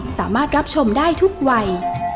สามารถรับชมได้ทุกวัย